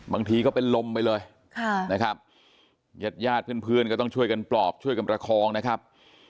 ก็เป็นลมไปเลยนะครับญาติญาติเพื่อนก็ต้องช่วยกันปลอบช่วยกันประคองนะครับ